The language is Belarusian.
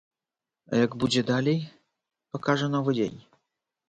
А як будзе далей, пакажа новы дзень.